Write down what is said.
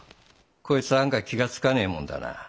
こいつは案外気が付かねえもんだな。